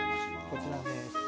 こちらです。